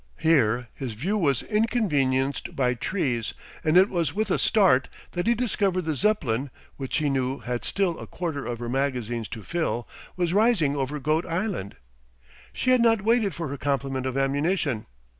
Here his view was inconvenienced by trees, and it was with a start that he discovered the Zeppelin, which he knew had still a quarter of her magazines to fill, was rising over Goat Island. She had not waited for her complement of ammunition.